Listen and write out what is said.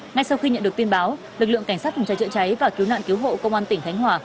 ngay sau khi nhận được tin báo lực lượng cảnh sát phòng cháy chữa cháy và cứu nạn cứu hộ công an tỉnh khánh hòa